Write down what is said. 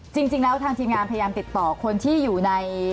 จริงแล้วทางทีมงานพยายามติดต่อคนที่อยู่ใน